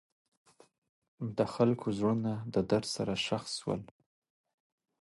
د خلکو زړونه د درد سره ښخ شول.